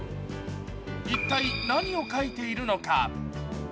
一体、何を書いているのか。